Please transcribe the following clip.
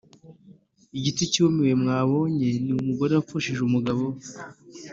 Igiti cyumiwe mwabonye ni umugore wapfushije umugabo we